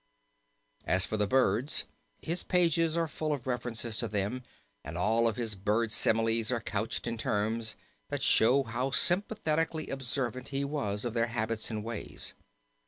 As for the birds his pages are full of references to them and all of his bird similies are couched in terms that show how sympathetically observant he was of their habits and ways.